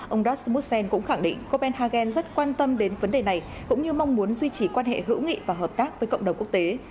ông rasmussen cũng khẳng định copenhagen rất quan tâm đến vấn đề này cũng như mong muốn duy trì quan hệ hữu nghị và hợp tác với cộng đồng quốc tế